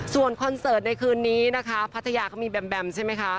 ส่วนคอนเสิร์ตในคืนนี้นะคะพัทยาเขามีแบมแบมใช่ไหมคะ